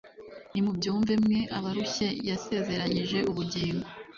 Nimubyumve mwe abarushye yasezeranyije ubugingo